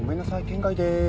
圏外でーす。